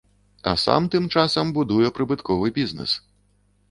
А сам тым часам будуе прыбытковы бізнэс.